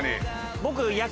僕。